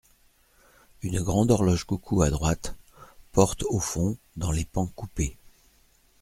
Une grande horloge-coucou à droite ; portes au fond dans les pans coupés.